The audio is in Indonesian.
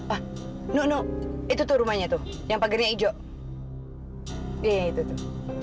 ah no no itu tuh rumahnya tuh yang pagarnya hijau iya iya itu tuh